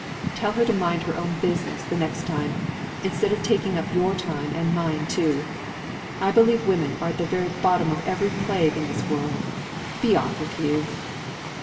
"Tell her to mind her own business the next time, instead of taking up your time and mine too. I believe women are at the bottom of every plague in this world. Be off with you."